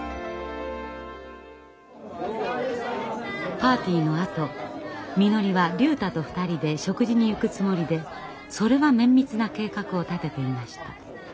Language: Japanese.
パーティーのあとみのりは竜太と二人で食事に行くつもりでそれは綿密な計画を立てていました。